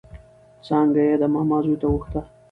څانګه يې د ماما زوی ته غوښته